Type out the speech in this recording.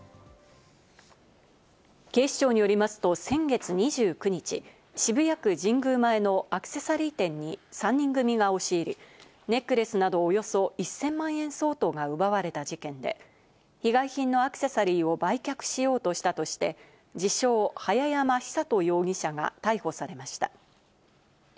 警視庁によりますと先月２９日、渋谷区神宮前のアクセサリー店に３人組が押し入り、ネックレスなどおよそ１０００万円相当が奪われた事件で、被害品のアクセサリーを売却しようとしたとして、関東のお天気です。